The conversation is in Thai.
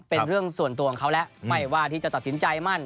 เป็นเรื่องส่วนตัวของเขาแล้วไม่ว่าที่จะตัดสินใจมั่น